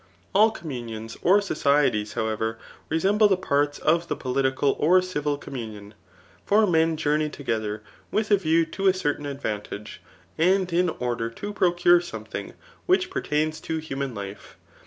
All communions or sociedes, however, resemble the parts of the political or civil communion. For men journey together with a view t6 a certain advantage, and in order to procure something which pertains to human life.